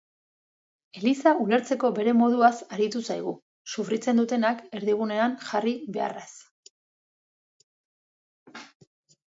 Eliza ulertzeko bere moduaz aritu zaigu, sufritzen dutenak erdigunean jarri beharraz.